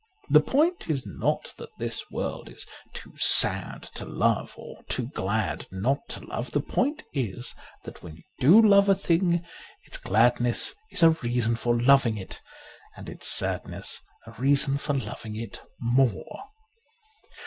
The point is not that this world is too sad to love or too glad not to love ; the point is that when you do love a thing, its gladness is a reason for loving it, and its sadness a reason for loving it more.